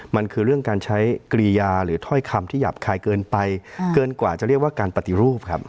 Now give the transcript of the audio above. มันคือเรื่องการใช้กรียาหรือถ้อยคำที่หยาบคายเกินไปเกินกว่าจะเรียกว่าการปฏิรูปครับ